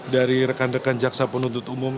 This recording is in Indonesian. dari rekan rekan jaksa penuntut umum